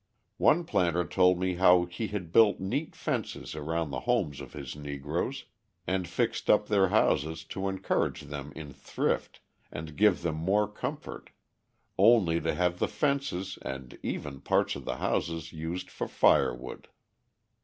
One planter told me how he had built neat fences around the homes of his Negroes, and fixed up their houses to encourage them in thrift and give them more comfort, only to have the fences and even parts of the houses used for firewood.